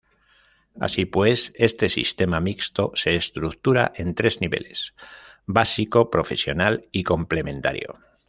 Así pues, este sistema mixto se estructura en tres niveles: básico, profesional y complementario.